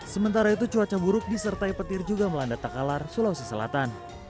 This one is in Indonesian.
sementara itu cuaca buruk disertai petir juga melanda takalar sulawesi selatan